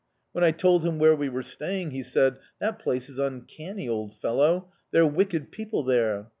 When I told him where we were staying, he said, 'That place is uncanny, old fellow; they're wicked people there!